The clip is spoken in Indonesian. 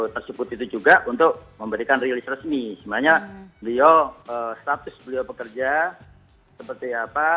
tersebut itu juga untuk memberikan rilis resmi semuanya rio status beliau bekerja seperti apa